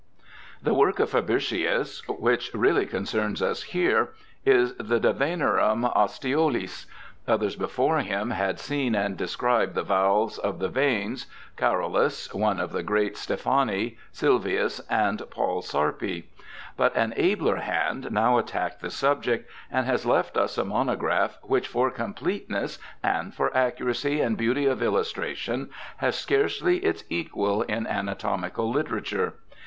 The work of Fabricius which really concerns us here is the de Venarum Ostiolis. Others before him had seen and described the valves of the veins, Carolus (one of the great Stephani), Sylvius, and Paul Sarpi. But an abler hand now attacked the subject, and has left us a monograph which for completeness and for accuracy and beauty of illustration has scarcely its equal in anatomical literature.